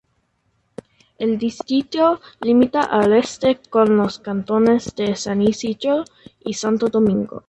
El distrito limita al oeste con los cantones de San Isidro y Santo Domingo.